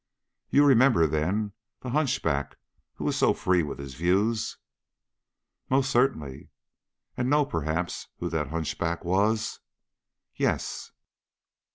"You remember, then, the hunchback who was so free with his views?" "Most certainly." "And know, perhaps, who that hunchback was?" "Yes."